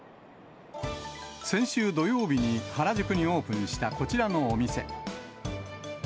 先週土曜日に原宿にオープンしたこちらのお店。